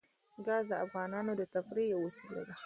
ګاز د افغانانو د تفریح یوه وسیله ده.